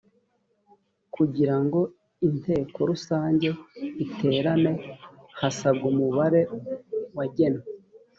kugirango inteko rusange iterane hasabwa umubare wagenwe